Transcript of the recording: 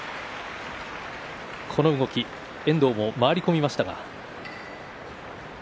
この動き、遠藤も回り込みました。